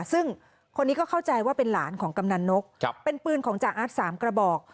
ซึ่งคนนี้ก็เข้าใจว่าเป็นหลานของกำนันนกเป็นปืนของจ่าอาร์ต๓กระบอก